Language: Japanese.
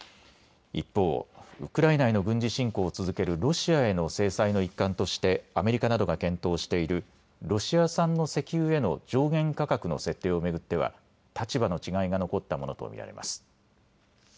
一方、ウクライナへの軍事侵攻を続けるロシアへの制裁の一環としてアメリカなどが検討しているロシア産の石油への上限価格の設定を巡っては立場の違いが残ったものと見られます。